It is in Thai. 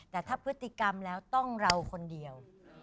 แต่ถ้าพฤติกรรมแล้วต้องเราคนเดียว